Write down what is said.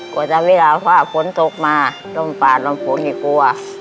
กลัวจะเวลาฝากคนตกมาลมปานลมโฟกก็กลัว